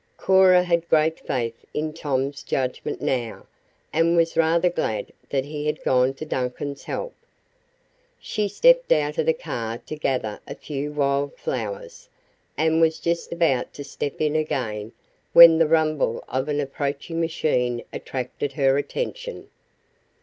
Cora had great faith in Tom's judgment now, and was rather glad that he had gone to Duncan's help. She stepped out of the car to gather a few wild flowers, and was just about to step in again when the rumble of an approaching machine attracted her attention.